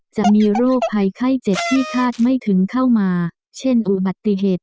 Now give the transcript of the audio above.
จะมีโรคภัยไข้เจ็บที่คาดไม่ถึงเข้ามาเช่นอุบัติเหตุ